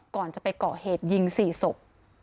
ก่อนจะไปก่อเหตุยิง๔ศพ